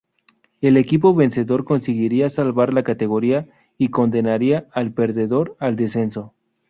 El equipo vencedor conseguiría salvar la categoría y condenaría al perdedor al descenso.